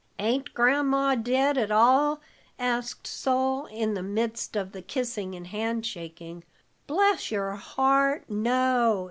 "Ain't Gran'ma dead at all?" asked Sol, in the midst of the kissing and hand shaking. "Bless your heart, no!